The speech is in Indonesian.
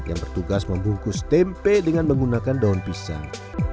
yang bertugas membungkus tempe dengan menggunakan daun pisang